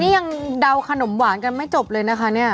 นี่ยังเดาขนมหวานกันไม่จบเลยนะคะเนี่ย